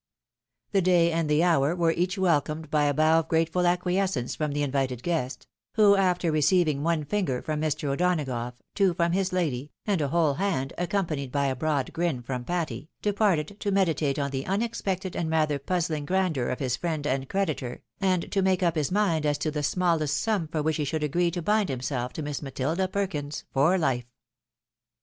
The day and the hour were each welcomed by a bow of grate ful acquiescence from the invited guest ; who, after receiving one finger from Mr. O'Donagough, two from his lady, and a whole hand, accompanied by a broad grin, from Patty, departed, to meditate on the unexpected and rather puzzling grandeur of his friend and creditor, and to make up his mind as to the smallest sum for which he should agree to bind himself to Miss Matilda Perkins for hfe.